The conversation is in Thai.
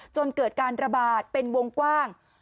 จนเกิดการระบาดเป็นวงกว้าง